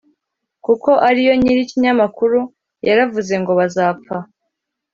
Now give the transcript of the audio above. kuko ariyo nyiri ikinyamakuru yaravuzengo bazapfa